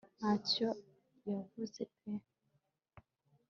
ntacyo yavuze pe